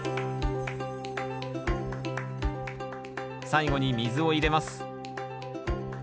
最後に水を入れます。